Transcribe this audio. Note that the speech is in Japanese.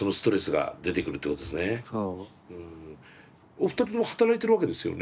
お二人とも働いてるわけですよね？